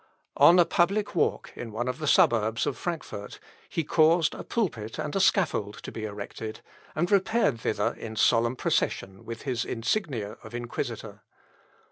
On a public walk in one of the suburbs of Frankfort, he caused a pulpit and a scaffold to be erected, and repaired thither in solemn procession with his insignia of inquisitor.